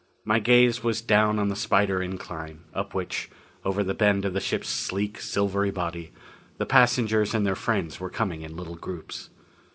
My gaze was down on the spider incline, up which, over the bend of the ship's sleek, silvery body, the passengers and their friends were coming in little groups.